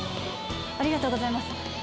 ありがとうございます。